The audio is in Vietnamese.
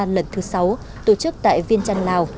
lần thứ sáu tổ chức tại viên trăn lào